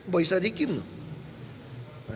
boisa dikim loh